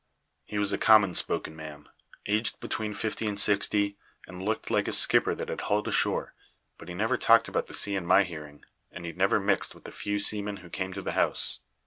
He was a common spoken man, aged between fifty and sixty, and looked like a skipper that had hauled ashore; but he never talked about the sea in my hearing, and he never mixed with the few seamen who came to the house.